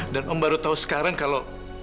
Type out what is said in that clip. dan om baru tahu sekarang kalau